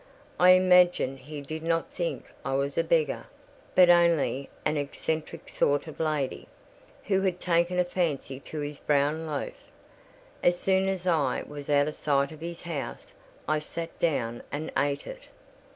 I imagine he did not think I was a beggar, but only an eccentric sort of lady, who had taken a fancy to his brown loaf. As soon as I was out of sight of his house, I sat down and ate it.